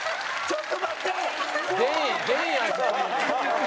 ちょっと待って！